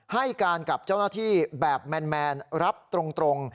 ให้การกับเจ้าหน้าที่แบบแมนรับตรง